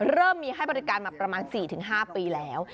เริ่มมีให้บริการมาประมาณ๔๕ปีแล้ว